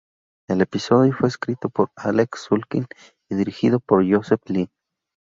El episodio fue escrito por Alec Sulkin y dirigido por Joseph Lee.